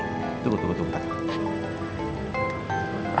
tunggu tunggu tunggu